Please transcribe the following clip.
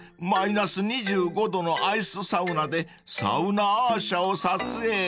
マイナス２５℃のアイスサウナでサウナアー写を撮影］